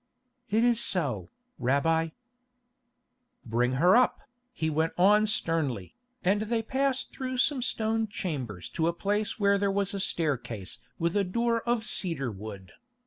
"It is so, Rabbi." "Bring her up," he went on sternly, and they passed through some stone chambers to a place where there was a staircase with a door of cedar wood.